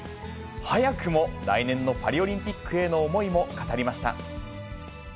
早くも来年のパリオリンピックへの思いも語りました。